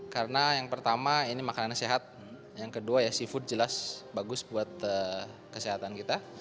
karena yang pertama ini makanan sehat yang kedua ya seafood jelas bagus buat kesehatan kita